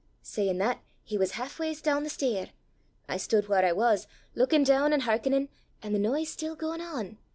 Sayin' that, he was half ways doon the stair. I stood whaur I was, lookin' doon an' hearkenin', an' the noise still gaein' on.